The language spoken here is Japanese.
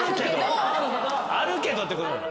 あるけどってことなの？